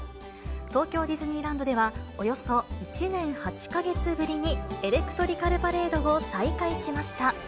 東京ディズニーランドでは、およそ１年８か月ぶりにエレクトリカルパレードを再開しました。